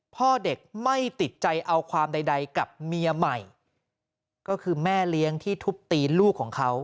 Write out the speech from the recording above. พ่อเด็กไม่ติดใจเอาความใดกับเมียใหม่ก็คือแม่เลี้ยงที่ทุบตีลูกของเขา